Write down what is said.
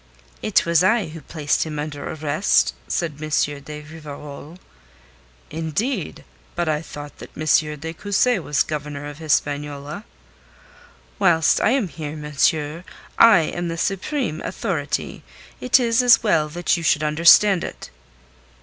"It was I who placed him under arrest," said M. de Rivarol. "Indeed! But I thought that M. de Cussy was Governor of Hispaniola." "Whilst I am here, monsieur, I am the supreme authority. It is as well that you should understand it."